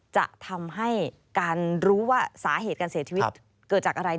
จะทำให้การรู้ว่าสาเหตุการเสียชีวิตเกิดจากอะไร